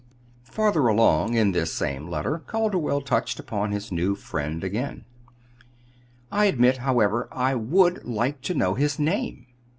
Farther along in this same letter Calderwell touched upon his new friend again. "I admit, however, I would like to know his name.